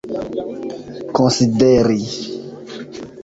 konsideri